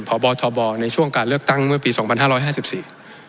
พบทบในช่วงการเลือกตั้งเมื่อปีสองพันห้าร้อยห้าสิบสี่